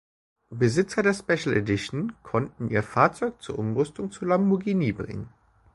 Besitzer der "Special Edition" konnten ihr Fahrzeug zur Umrüstung zu Lamborghini bringen.